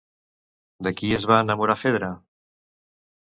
De qui es va enamorar Fedra?